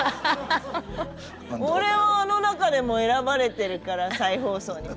俺はあの中でも選ばれてるから再放送に。